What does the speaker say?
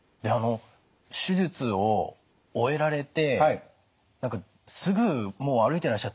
手術を終えられてすぐもう歩いてらっしゃったんですって？